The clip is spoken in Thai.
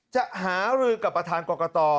จะหารือกับประธานกรกต